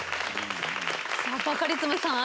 バカリズムさん